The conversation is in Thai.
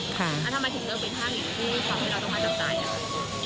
ถ้ามาทิ้งเนื้อเป็นข้างอีกมีความให้เราต้องมาจำจานอย่างไร